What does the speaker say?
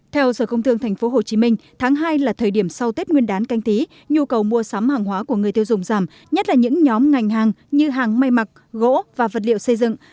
theo sở công thương tp hcm tháng hai là thời điểm sau tết nguyên đán canh tí nhu cầu mua sắm hàng hóa của người tiêu dùng giảm nhất là những nhóm ngành hàng như hàng mây mặc gỗ và vật liệu xây dựng